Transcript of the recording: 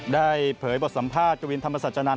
ได้เผยบทสัมภาษณ์กวินธรรมสัจจนันทร์